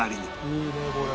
いいねこれ。